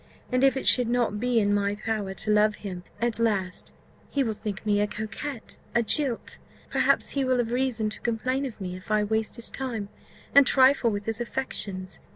and if it should not be in my power to love him at last, he will think me a coquette, a jilt, perhaps: he will have reason to complain of me, if I waste his time, and trifle with his affections.